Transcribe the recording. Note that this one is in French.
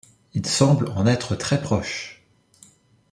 Il semble en être très proche.